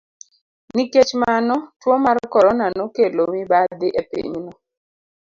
Nikech mano, tuo mar Corona nokelo mibadhi e pinyno.